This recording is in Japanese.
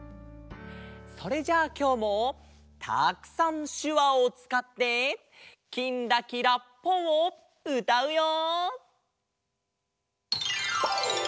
それじゃあきょうもたくさんしゅわをつかって「きんらきらぽん」をうたうよ！